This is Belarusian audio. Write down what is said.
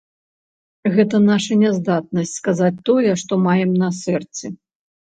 Гэта наша няздатнасць сказаць тое, што маем на сэрцы.